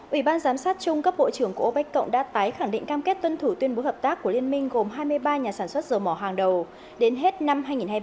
ủy ban giám sát trung cấp bộ trưởng của opec cộng đã tái khẳng định cam kết tuân thủ tuyên bố hợp tác của liên minh gồm hai mươi ba nhà sản xuất dầu mỏ hàng đầu đến hết năm hai nghìn hai mươi ba